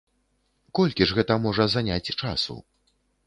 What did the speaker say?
Колькі ж гэта можа заняць часу?